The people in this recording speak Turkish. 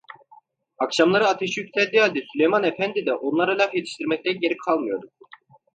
Akşamları ateşi yükseldiği halde Süleyman Efendi de onlara laf yetiştirmekten geri kalmıyordu.